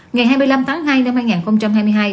ngày hai mươi năm tháng hai năm hai nghìn hai mươi hai